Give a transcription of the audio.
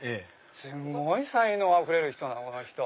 すんごい才能あふれる人なのこの人。